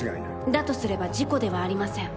だとすれば事故ではありません。